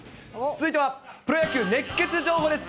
続いてはプロ野球熱ケツ情報です。